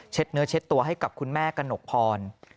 เนื้อเช็ดตัวให้กับคุณแม่กระหนกพร